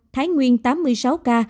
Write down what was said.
thái nguyên tám mươi sáu ca